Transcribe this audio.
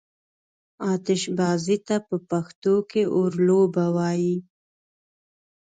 آتشبازي ته په پښتو کې اورلوبه وايي.